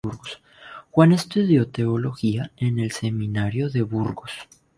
Juan estudió Teología en el Seminario de Burgos.